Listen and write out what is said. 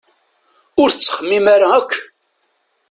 Ur tettxemmim ara akk!